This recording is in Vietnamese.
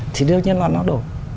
thì đương nhiên là nó đổ